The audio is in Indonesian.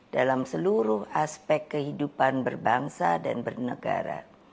dalam seluruh aspek kehidupan berbangsa dan bernegara